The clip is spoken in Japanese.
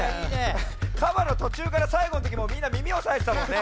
カバのとちゅうからさいごのときもうみんなみみおさえてたもんね。